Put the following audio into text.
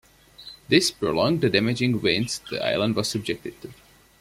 This prolonged the damaging winds the island was subjected to.